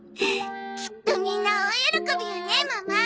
きっとみんな大喜びよねママ。